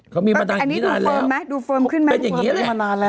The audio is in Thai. เขามีมานานนี้นานแล้วเป็นอย่างนี้เลยมานานแล้ว